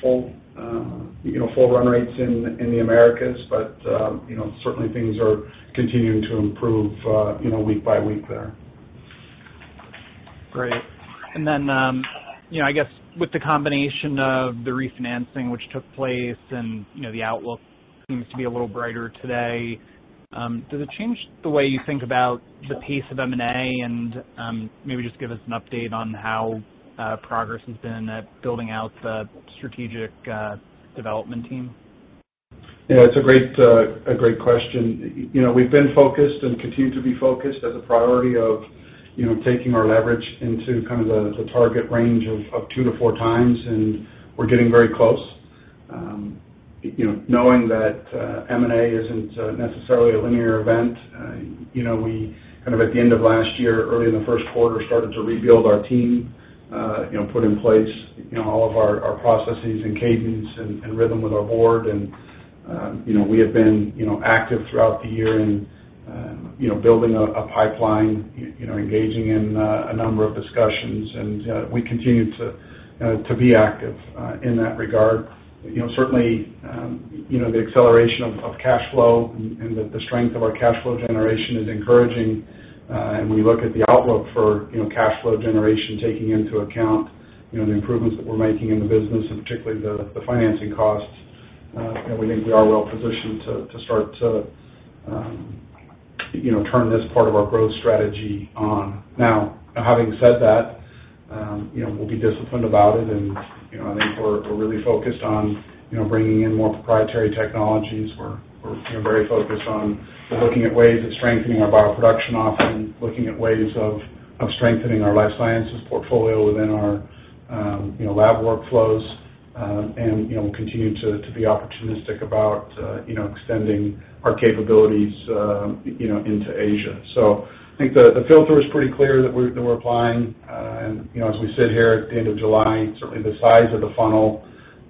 full run rates in the Americas, but certainly things are continuing to improve week by week there. Great. I guess with the combination of the refinancing which took place and the outlook seems to be a little brighter today, does it change the way you think about the pace of M&A? Maybe just give us an update on how progress has been at building out the strategic development team. Yeah, it's a great question. We've been focused and continue to be focused as a priority of taking our leverage into the target range of two to four times, and we're getting very close. Knowing that M&A isn't necessarily a linear event, we at the end of last year, early in the first quarter, started to rebuild our team, put in place all of our processes and cadence and rhythm with our board. We have been active throughout the year in building a pipeline, engaging in a number of discussions, and we continue to be active in that regard. Certainly, the acceleration of cash flow and the strength of our cash flow generation is encouraging. We look at the outlook for cash flow generation, taking into account the improvements that we're making in the business, and particularly the financing costs, and we think we are well positioned to start to turn this part of our growth strategy on. Having said that, we'll be disciplined about it, and I think we're really focused on bringing in more proprietary technologies. We're very focused on looking at ways of strengthening our bioproduction offering, looking at ways of strengthening our life sciences portfolio within our lab workflows. We'll continue to be opportunistic about extending our capabilities into Asia. I think the filter is pretty clear that we're applying. As we sit here at the end of July, certainly the size of the funnel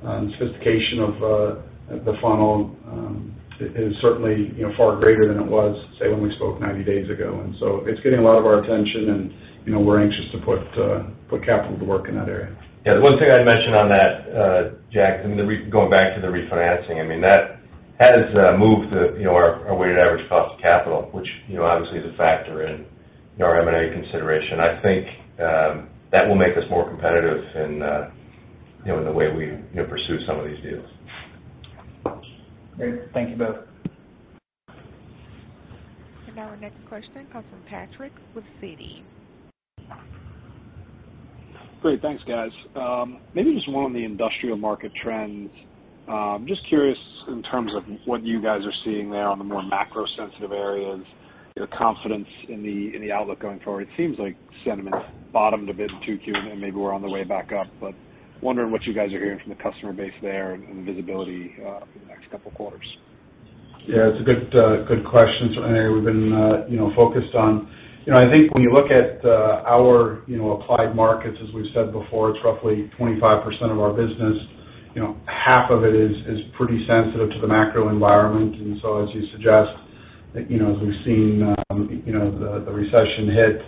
and sophistication of the funnel is certainly far greater than it was, say when we spoke 90 days ago. It's getting a lot of our attention, and we're anxious to put capital to work in that area. The one thing I'd mention on that, Jack, going back to the refinancing, that has moved our weighted average cost of capital, which obviously is a factor in our M&A consideration. I think that will make us more competitive in the way we pursue some of these deals. Great. Thank you both. Now our next question comes from Patrick with Citi. Great. Thanks, guys. Maybe just one on the industrial market trends. I'm just curious in terms of what you guys are seeing there on the more macro sensitive areas, your confidence in the outlook going forward. It seems like sentiment bottomed a bit in 2Q, and then maybe we're on the way back up. I'm wondering what you guys are hearing from the customer base there and visibility for the next couple quarters. Yeah, it's a good question, certainly we've been focused on I think when you look at our applied markets, as we've said before, it's roughly 25% of our business. Half of it is pretty sensitive to the macro environment. As you suggest, as we've seen the recession hit,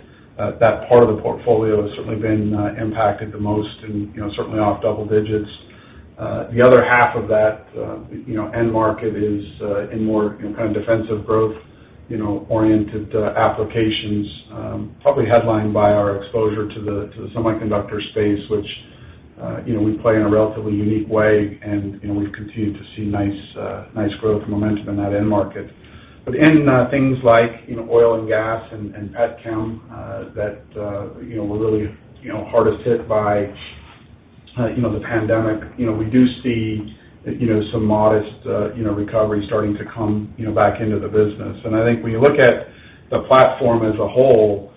that part of the portfolio has certainly been impacted the most and certainly off double digits. The other half of that end market is in more kind of defensive growth-oriented applications, probably headlined by our exposure to the semiconductor space, which we play in a relatively unique way, and we've continued to see nice growth and momentum in that end market. In things like oil and gas and pet chem, that were really hardest hit by the pandemic, we do see some modest recovery starting to come back into the business. I think when you look at the platform as a whole,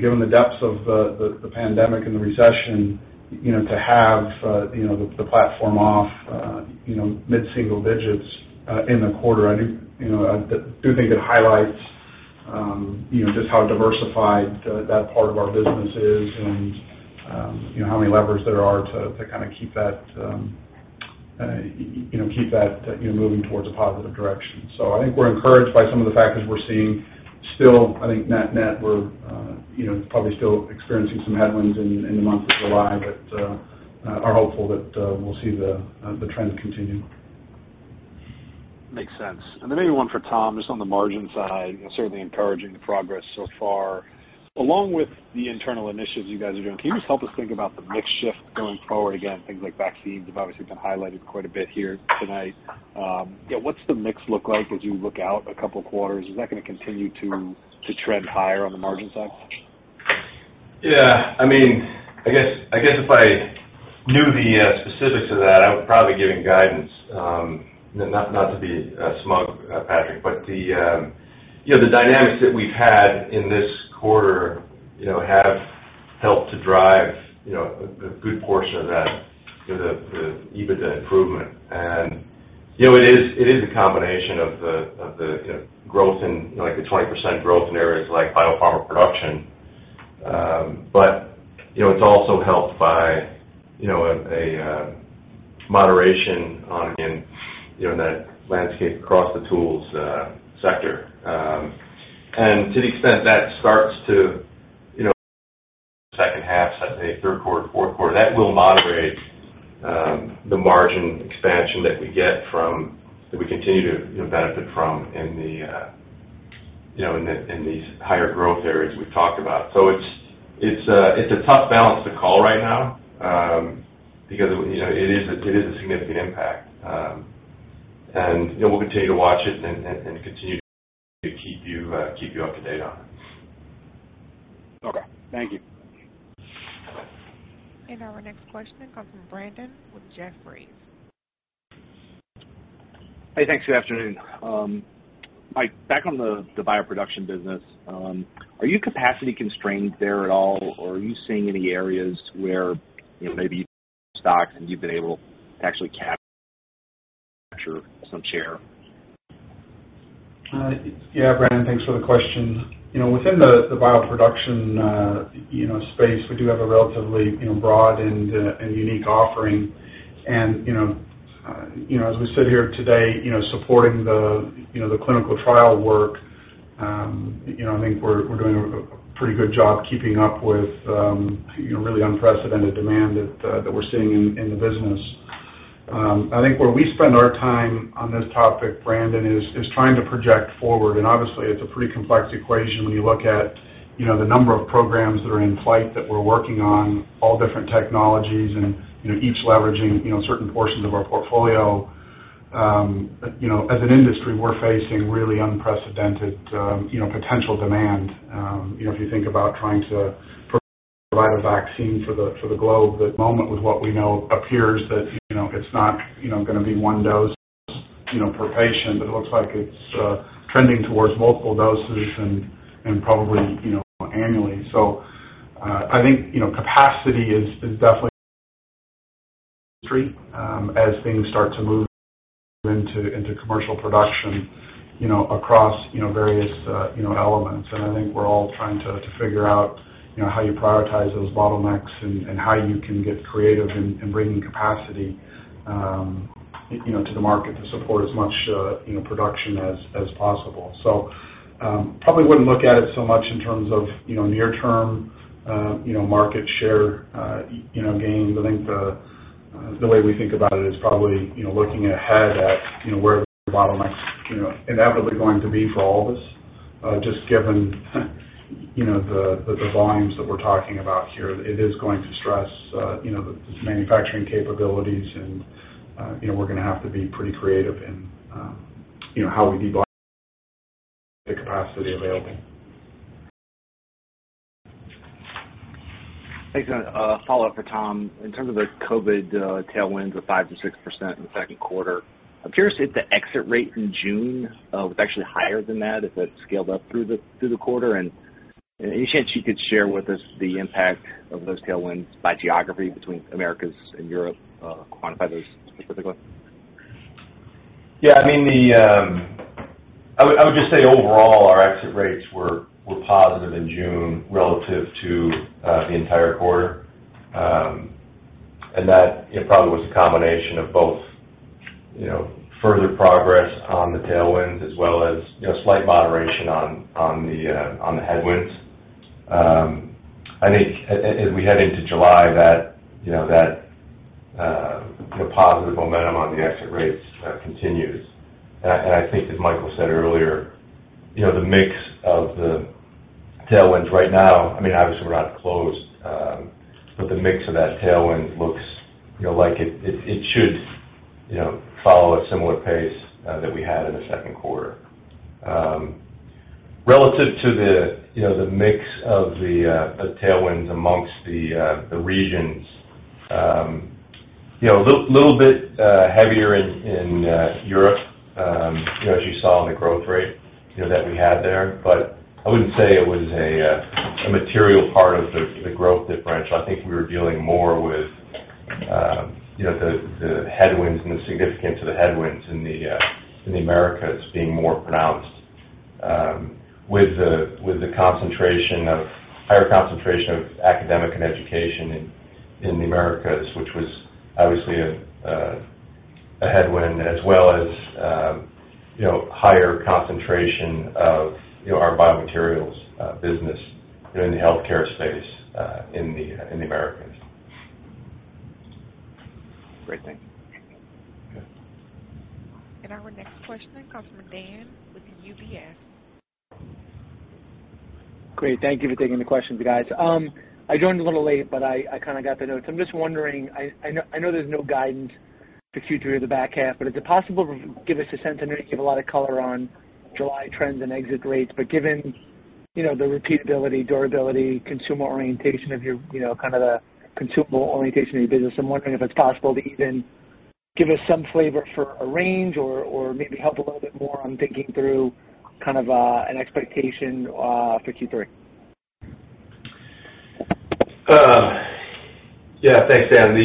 given the depths of the pandemic and the recession, to have the platform off mid-single digits in the quarter, I do think it highlights just how diversified that part of our business is and how many levers there are to keep that moving towards a positive direction. I think we're encouraged by some of the factors we're seeing. Still, I think net, we're probably still experiencing some headwinds in the month of July, but are hopeful that we'll see the trend continue. Makes sense. Then maybe one for Tom, just on the margin side, certainly encouraging the progress so far. Along with the internal initiatives you guys are doing, can you just help us think about the mix shift going forward? Again, things like vaccines have obviously been highlighted quite a bit here tonight. What's the mix look like as you look out a couple quarters? Is that going to continue to trend higher on the margin side? Yeah. I guess if I knew the specifics of that, I would probably be giving guidance. Not to be smug, Patrick, the dynamics that we've had in this quarter have helped to drive a good portion of that, the EBITDA improvement. It is a combination of the growth in, like the 20% growth in areas like biopharma production. It's also helped by a moderation on, again, that landscape across the tools sector. To the extent that starts to, second half, say third quarter, fourth quarter, that will moderate the margin expansion that we get from, that we continue to benefit from in these higher growth areas we've talked about. It's a tough balance to call right now, because it is a significant impact. We'll continue to watch it and continue to keep you up to date on it. Okay. Thank you. Our next question comes from Brandon with Jefferies. Hey, thanks. Good afternoon. Mike, back on the bioproduction business. Are you capacity constrained there at all, or are you seeing any areas where maybe stocks and you've been able to actually capture some share? Yeah, Brandon, thanks for the question. Within the bioproduction space, we do have a relatively broad and unique offering. As we sit here today supporting the clinical trial work, I think we're doing a pretty good job keeping up with really unprecedented demand that we're seeing in the business. I think where we spend our time on this topic, Brandon, is trying to project forward, and obviously it's a pretty complex equation when you look at the number of programs that are in flight that we're working on, all different technologies, and each leveraging certain portions of our portfolio. As an industry, we're facing really unprecedented potential demand. If you think about trying to provide a vaccine for the globe, at the moment with what we know appears that it's not going to be one dose per patient, but it looks like it's trending towards multiple doses and probably annually. I think capacity is definitely as things start to move into commercial production across various elements. I think we're all trying to figure out how you prioritize those bottlenecks and how you can get creative in bringing capacity to the market to support as much production as possible. Probably wouldn't look at it so much in terms of near-term market share gain. I think the way we think about it is probably looking ahead at where the bottlenecks inevitably going to be for all of us, just given the volumes that we're talking about here. It is going to stress the manufacturing capabilities, and we're going to have to be pretty creative in how we de- The capacity available. Thanks. A follow-up for Tom. In terms of the COVID tailwinds of 5%-6% in the second quarter, I'm curious if the exit rate in June was actually higher than that, if that scaled up through the quarter? Any chance you could share with us the impact of those tailwinds by geography between Americas and Europe, quantify those specifically? Yeah. I would just say overall, our exit rates were positive in June relative to the entire quarter. That probably was a combination of both further progress on the tailwinds as well as slight moderation on the headwinds. I think, as we head into July, that the positive momentum on the exit rates continues. I think as Michael said earlier, the mix of the tailwinds right now, obviously we're not closed, but the mix of that tailwind looks like it should follow a similar pace that we had in the second quarter. Relative to the mix of the tailwinds amongst the regions, a little bit heavier in Europe, as you saw in the growth rate that we had there. I wouldn't say it was a material part of the growth differential. I think we were dealing more with the headwinds and the significance of the headwinds in the Americas being more pronounced with the higher concentration of academic and education in the Americas, which was obviously a headwind. As well as higher concentration of our biomaterials business in the healthcare space in the Americas. Great, thank you. Okay. Our next question comes from Dan with UBS. Great. Thank you for taking the questions, guys. I joined a little late. I kind of got the notes. I'm just wondering, I know there's no guidance for Q3 or the back half. Is it possible to give us a sense? I know you gave a lot of color on July trends and exit rates. Given the repeatability, durability, consumer orientation of your business, I'm wondering if it's possible to even give us some flavor for a range or maybe help a little bit more on thinking through kind of an expectation for Q3. Thanks, Dan.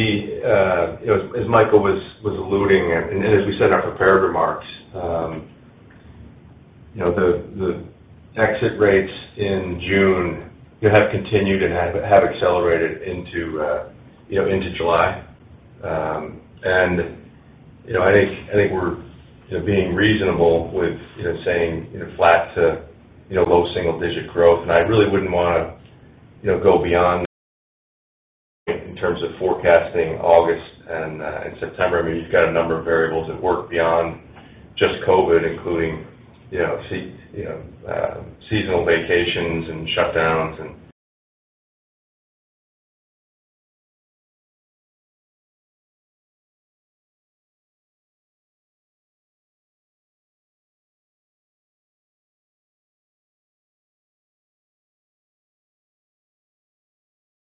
As Michael was alluding and as we said in our prepared remarks, the exit rates in June have continued and have accelerated into July. I think we're being reasonable with saying flat to low single digit growth. I really wouldn't want to go beyond in terms of forecasting August and September. You've got a number of variables at work beyond just COVID, including seasonal vacations and shutdowns and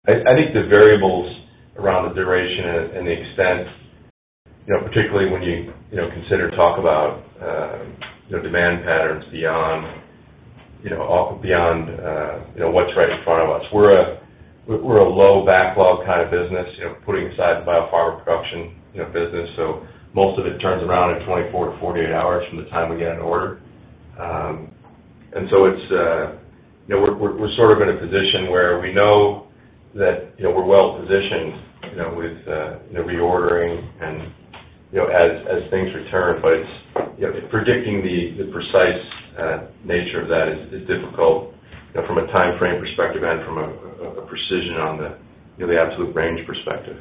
I think the variables around the duration and the extent, particularly when you consider or talk about demand patterns beyond what's right in front of us. We're a low backlog kind of business, putting aside the biopharma production business. Most of it turns around in 24-48 hours from the time we get an order. We're sort of in a position where we know that we're well-positioned with reordering and as things return, but predicting the precise nature of that is difficult from a timeframe perspective and from a precision on the absolute range perspective.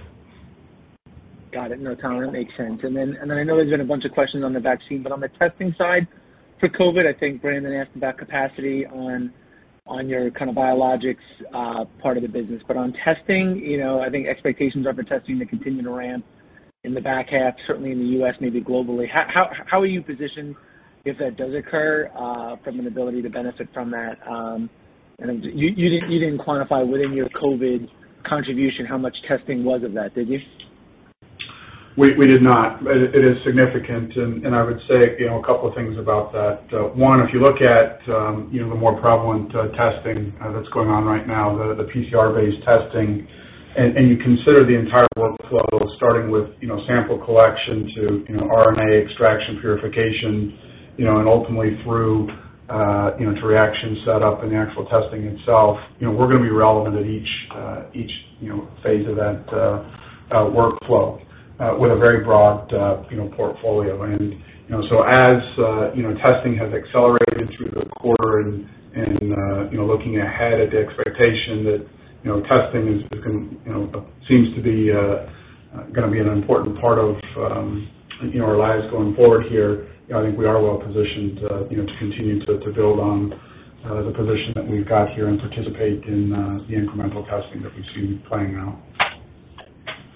Got it. No, Tom, that makes sense. I know there's been a bunch of questions on the vaccine, but on the testing side for COVID, I think Brandon asked about capacity on your kind of biologics part of the business. On testing, I think expectations are for testing to continue to ramp in the back half, certainly in the U.S., maybe globally. How are you positioned if that does occur, from an ability to benefit from that? You didn't quantify within your COVID contribution how much testing was of that, did you? We did not. It is significant, and I would say a couple of things about that. One, if you look at the more prevalent testing that's going on right now, the PCR-based testing, and you consider the entire workflow, starting with sample collection to RNA extraction, purification, and ultimately through to reaction set up and the actual testing itself, we're going to be relevant at each phase of that workflow with a very broad portfolio. As testing has accelerated through the quarter and looking ahead at the expectation that testing seems to be an important part of our lives going forward here, I think we are well positioned to continue to build on the position that we've got here and participate in the incremental testing that we see playing out.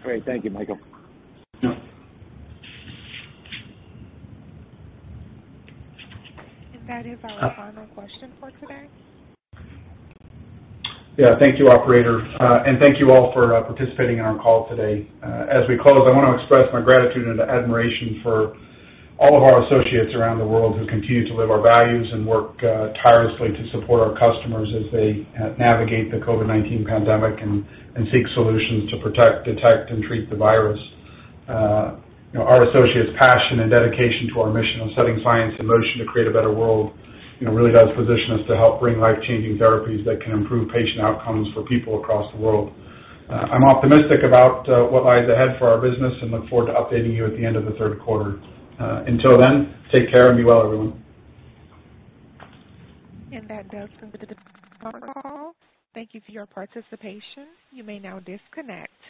Great. Thank you, Michael. Yeah. That is our final question for today. Yeah. Thank you, operator. Thank you all for participating in our call today. As we close, I want to express my gratitude and admiration for all of our associates around the world who continue to live our values and work tirelessly to support our customers as they navigate the COVID-19 pandemic and seek solutions to protect, detect, and treat the virus. Our associates' passion and dedication to our mission of setting science in motion to create a better world really does position us to help bring life-changing therapies that can improve patient outcomes for people across the world. I'm optimistic about what lies ahead for our business and look forward to updating you at the end of the third quarter. Until then, take care and be well, everyone. That does conclude the phone call. Thank you for your participation. You may now disconnect.